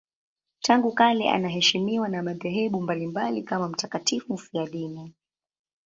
Tangu kale anaheshimiwa na madhehebu mbalimbali kama mtakatifu mfiadini.